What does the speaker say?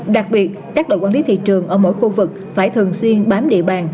đặc biệt các đội quản lý thị trường ở mỗi khu vực phải thường xuyên bám địa bàn